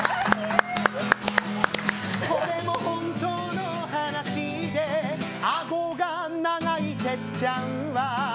これも本当の話であごが長いテッちゃんは。